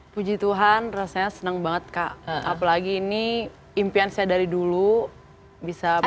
puji tuhan rasanya senang banget kak apalagi ini impian saya dari dulu bisa